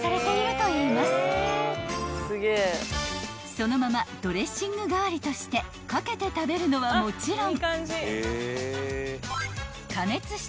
［そのままドレッシング代わりとして掛けて食べるのはもちろん］